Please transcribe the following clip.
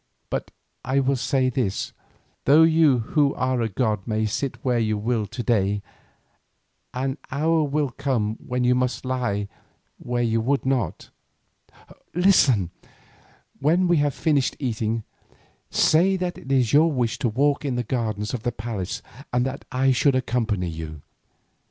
But I will say this: though you who are a god may sit where you will to day, an hour shall come when you must lie where you would not. Listen: when we have finished eating, say that it is your wish to walk in the gardens of the palace and that I should accompany you.